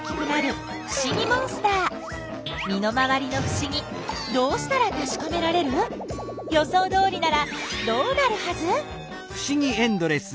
身の回りのふしぎどうしたらたしかめられる？予想どおりならどうなるはず？